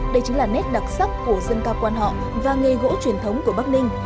đây chính là nét đặc sắc của dân ca quan họ và nghề gỗ truyền thống của bắc ninh